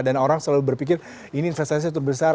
dan orang selalu berpikir ini investasinya terbesar